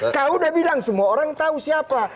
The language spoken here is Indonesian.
kau udah bilang semua orang tahu siapa